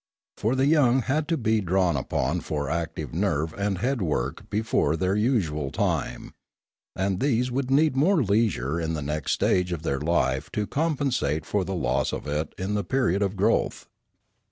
For the young had to be drawn upon for active nerve and head work before their usual time; and these would need more leisure in the next stage of their life to compensate for the loss of it in the period of growth.